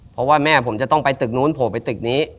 เพราะว่าแม่ผมจะต้องไปตึกนู้นโผล่ไปตึกนี้